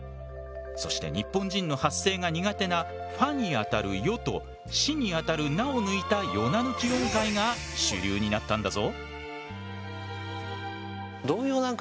そして日本人の発声が苦手なファにあたるヨとシにあたるナを抜いたヨナ抜き音階が主流になったんだぞ。